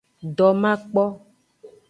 Domakpo.